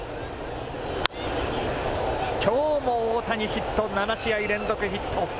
きょうも大谷、ヒット７試合連続ヒット。